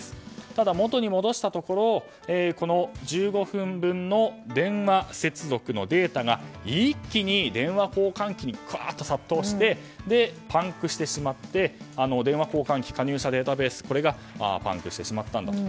ただ、元に戻したところ１５分の電話接続のデータが一気に電話交換機に殺到してパンクしてしまって電話交換機加入者データベースがパンクしてしまったんだと。